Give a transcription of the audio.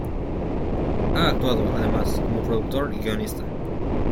Ha actuado, además, como productor y guionista.